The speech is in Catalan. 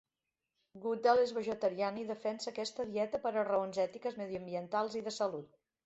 Goodall és vegetariana i defensa aquesta dieta per raons ètiques, mediambientals i de salut.